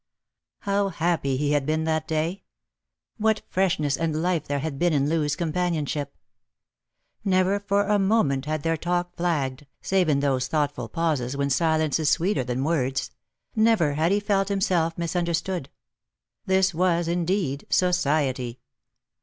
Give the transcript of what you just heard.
How bappy he had been that day ! What freshness and life there had been in Loo's companionship ! Never for a moment had their talk flagged, save in those thoughtful pauses when silence is sweeter than words — never had he felt himself mis understood. This was indeed society.